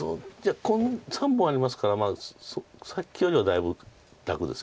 ３本ありますからさっきよりはだいぶ楽ですけど。